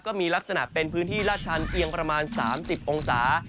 ก็มีลักษณะเป็นพื้นที่ลาดชันเอียงประมาณ๓๐องศา